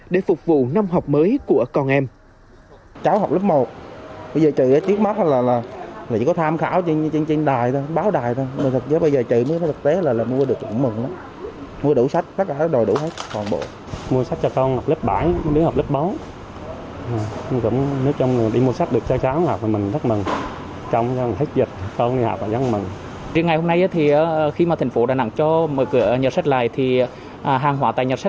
để thu hẹp vùng đỏ mở rộng vùng xanh